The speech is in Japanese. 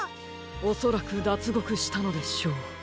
おそらくだつごくしたのでしょう。